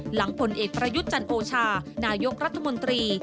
ผลเอกประยุทธ์จันโอชานายกรัฐมนตรี